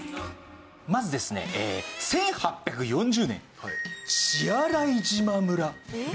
まずですね１８４０年血洗島村